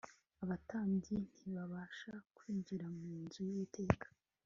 abatambyi ntibabasha kwinjira mu nzu y'uwiteka